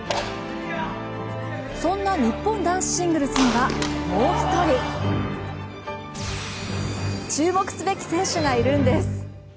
そんな日本男子シングルスにはもう１人注目すべき選手がいるんです。